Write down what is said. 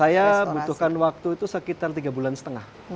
saya butuhkan waktu itu sekitar tiga bulan setengah